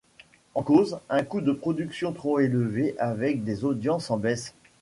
En cause, un coût de production trop élevé avec des audiences en baisse.